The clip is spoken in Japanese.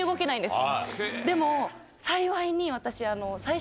でも幸いに私。